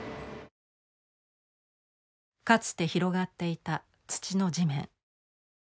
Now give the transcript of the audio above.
かつて広がっていた土の地面。